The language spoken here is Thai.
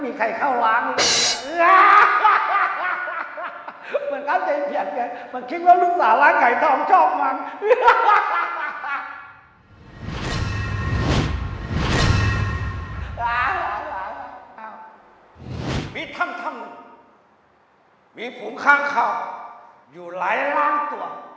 มีท่ามหนึ่งมีภูมิข้างข้าวอยู่หลายล้านตัว